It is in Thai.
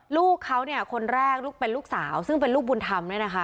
ลูกเขาคนแรกเป็นลูกสาวซึ่งเป็นลูกบุญธรรม